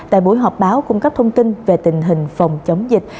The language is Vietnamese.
tại buổi họp báo cung cấp thông tin về tình hình phòng chống dịch